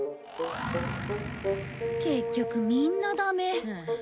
結局みんなダメ。